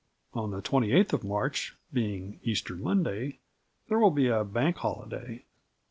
On the 28th of March, being Easter Monday, there will be a Bank Holiday.